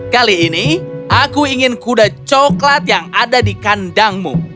kali ini aku ingin kuda coklat yang ada di kandangmu